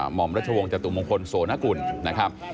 หม่อมรัชวงศ์จตุมงคลโสนกุล